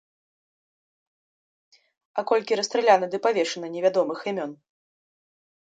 А колькі расстраляна ды павешана невядомых імён?!